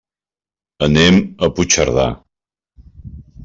Anem a Puigcerdà.